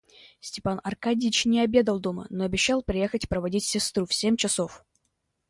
Степан Аркадьич не обедал дома, но обещал приехать проводить сестру в семь часов.